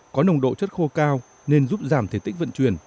có nồng độ chất khô cao nên giúp giảm thể tích vận chuyển